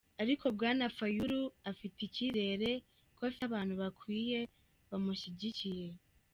Ariko Bwana Fayulu afise icizere ko afise abantu bakwiye bamushigikiye.